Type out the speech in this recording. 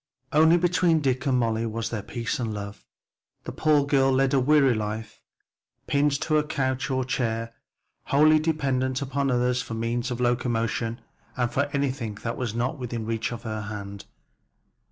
Only between Dick and Molly there was peace and love. The poor girl led a weary life pinned to her couch or chair, wholly dependent upon others for the means of locomotion and for anything that was not within reach of her hand.